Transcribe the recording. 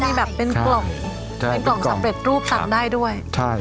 มีแบบเป็นกล่องเป็นกล่องสำเร็จรูปสั่งได้ด้วยใช่